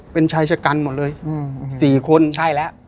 เป็นชายชะกันหมดเลย๔คนใช่แล้ว